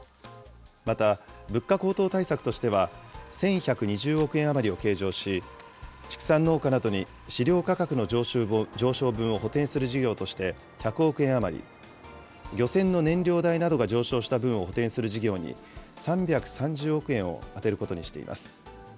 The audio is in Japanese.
また、物価高騰対策としては、１１２０億円余りを計上し、畜産農家などに飼料価格の上昇分を補填する事業として１００億円余り、漁船の燃料代などが上昇した分を補填する事業に３３０億円を充てることにしています。